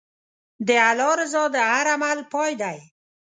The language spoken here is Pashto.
د الله رضا د هر عمل پای دی.